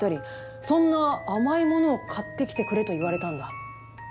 そんな甘いものを買ってきてくれと言われたんだ。